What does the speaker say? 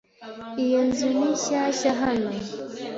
Iyo nzu ni shyashya hano .